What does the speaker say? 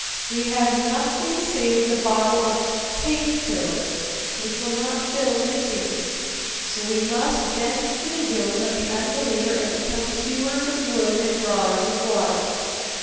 We have nothing save the bottle of "pain killer," which will not fill emptiness, so we must bend to the yoke of the unbeliever and become hewers of wood and drawers of water.